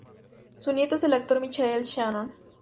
Su nieto es el actor Michael Shannon.